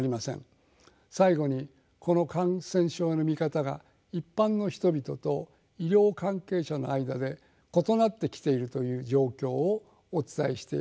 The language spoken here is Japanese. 最後にこの感染症の見方が一般の人々と医療関係者の間で異なってきているという状況をお伝えしておきたいと思います。